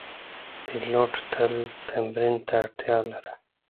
پیلوټ تل تمرین ته اړتیا لري.